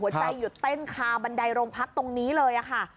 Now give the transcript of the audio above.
หัวใจหยุดเต้นคาบันไดโรงพักตรงนี้เลยค่ะ